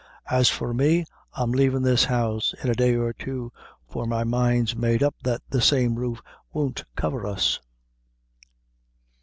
As for me, I'm lavin' this house in a day or two, for my mind's made up that the same roof won't cover us."